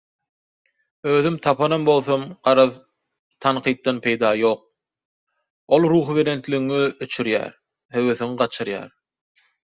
özüm tapanam bolsam, garaz, „Tankytdan peýda ýok, ol ruhybelenligiňi öçürýär, höwesiňi gaçyrýar